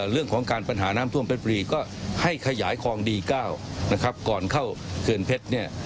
เรื่องของการปัญหาน้ำท่วมเพชรปรีก็ให้ขยายคลองดี๙นะครับก่อนเข้าเขื่อนเพชรเนี่ย